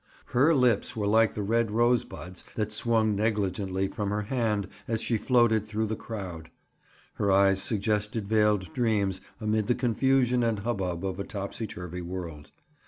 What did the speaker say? Her lips were like the red rosebuds that swung negligently from her hand as she floated through the crowd. Her eyes suggested veiled dreams amid the confusion and hubbub of a topsyturvy world.